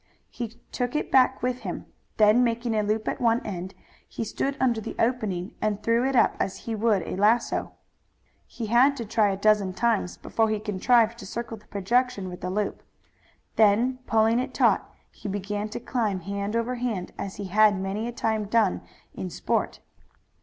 He took it back with him. Then making a loop at one end he stood under the opening and threw it up as he would a lasso. He had to try a dozen times before he contrived to circle the projection with the loop. Then pulling it taut he began to climb hand over hand as he had many a time done in sport.